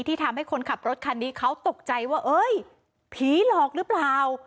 ทำให้คนขับรถคันนี้เขาตกใจว่าเอ้ยผีหลอกหรือเปล่า